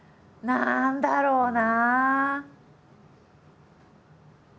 何だろうな。